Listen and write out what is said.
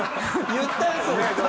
言ったんですね。